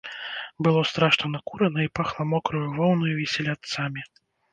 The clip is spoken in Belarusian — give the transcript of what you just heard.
Было страшна накурана, і пахла мокраю воўнаю і селядцамі.